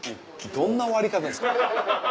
どんな終わり方ですか。